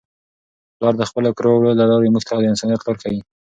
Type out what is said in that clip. پلار د خپلو کړو وړو له لارې موږ ته د انسانیت لار ښيي.